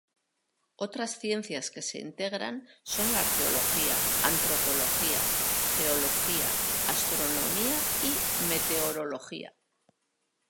Otras ciencias que se integran son la Arqueología, Antropología, Geología, Astronomía y Meteorología.